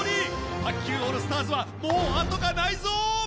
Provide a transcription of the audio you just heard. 卓球オールスターズはもう後がないぞ！